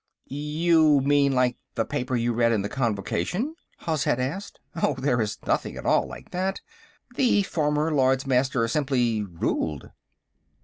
"You mean, like the paper you read in the Convocation?" Hozhet asked. "Oh, there is nothing at all like that. The former Lords Master simply ruled."